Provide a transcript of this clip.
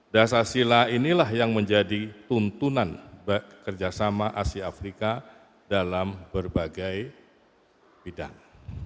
dasar sila inilah yang menjadi tuntunan kerjasama asia afrika dalam berbagai bidang